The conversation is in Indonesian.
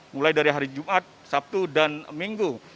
mulai dari hari jumat sabtu dan minggu